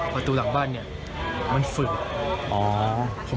ประตูหลังบ้านเนี่ยมันฝึกอ๋อ